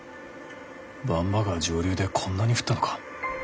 番場川上流でこんなに降ったのか？